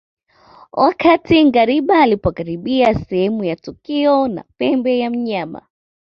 Wakati ngariba alipokaribia sehemu ya tukio na pembe ya mnyama